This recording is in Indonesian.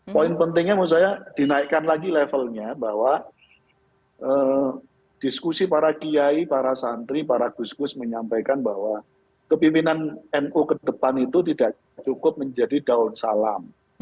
poin pentingnya menurut saya dinaikkan lagi levelnya bahwa diskusi para kiai para santri para gus gus menyampaikan bahwa kepimpinan nu ke depan itu tidak cukup menjadi daun salam